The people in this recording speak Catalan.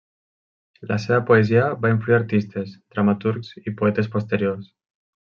La seva poesia va influir artistes, dramaturgs i poetes posteriors.